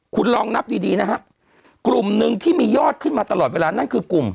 คุณลองนับดีดีนะฮะกลุ่มหนึ่งที่มียอดขึ้นมาตลอดเวลานั่นคือกลุ่ม